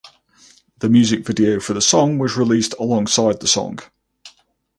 The music video for the song was released alongside the song.